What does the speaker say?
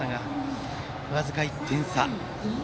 僅か１点差。